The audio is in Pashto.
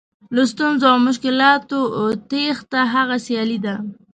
له ستونزو او مشکلاتو تېښته هغه سیالي ده.